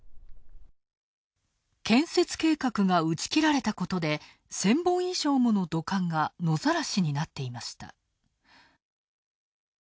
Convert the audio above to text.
建設計画が打ち切られたことで１０００本以上もの土管が野ざらしになっていました。